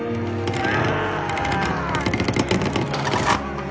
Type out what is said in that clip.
うわ！